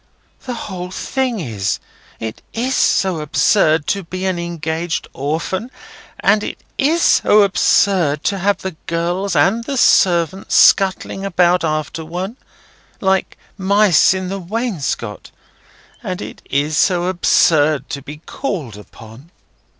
"The whole thing is. It is so absurd to be an engaged orphan and it is so absurd to have the girls and the servants scuttling about after one, like mice in the wainscot; and it is so absurd to be called upon!"